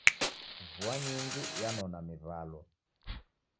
Vua nyingi yanona miw'alwa.